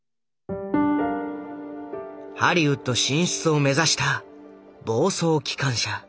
ハリウッド進出を目指した「暴走機関車」